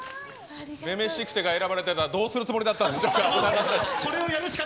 「女々しくて」が選ばれてたらどうするつもりだったんでしょうか。